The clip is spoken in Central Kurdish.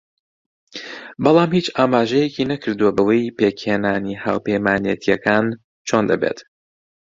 بەڵام هیچ ئاماژەیەکی نەکردووە بەوەی پێکهێنانی هاوپەیمانێتییەکان چۆن دەبێت